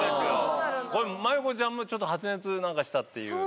これ麻友子ちゃんもちょっと発熱なんかしたっていう。